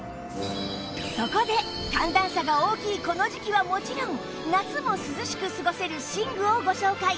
そこで寒暖差が大きいこの時季はもちろん夏も涼しく過ごせる寝具をご紹介